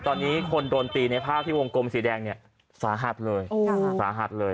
ตอนนี้คนโดนตีในภาพที่วงกลมสีแดงเนี่ยสาหัสเลยสาหัสเลย